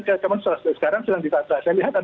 saya lihat ada perubahan yang dikenitikan